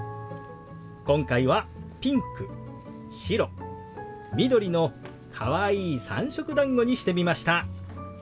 今回はピンク白緑のかわいい三色だんごにしてみました。